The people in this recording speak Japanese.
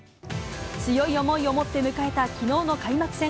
強い思いを持って迎えたきのうの開幕戦。